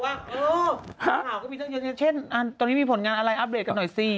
ข่าวก็มีตั้งเยอะเช่นตอนนี้มีผลงานอะไรอัปเดตกันหน่อยสิ